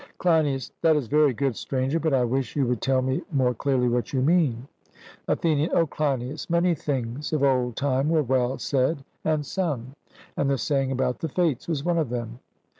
CLEINIAS: That is very good, Stranger; but I wish you would tell me more clearly what you mean. ATHENIAN: O Cleinias, many things of old time were well said and sung; and the saying about the Fates was one of them.